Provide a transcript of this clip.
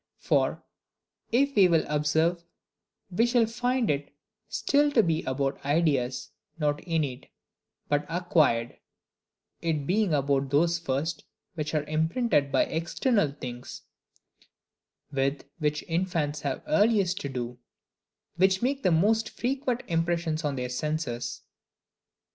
For, if we will observe, we shall find it still to be about ideas, not innate, but acquired; it being about those first which are imprinted by external things, with which infants have earliest to do, which make the most frequent impressions on their senses.